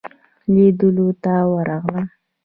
لیدلو ته ورغلم.